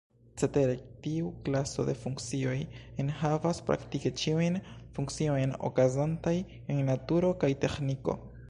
Cetere tiu klaso de funkcioj enhavas praktike ĉiujn funkciojn okazantaj en naturo kaj teĥniko.